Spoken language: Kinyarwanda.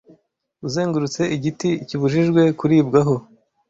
uzengurutse igiti kibujijwe kuribwaho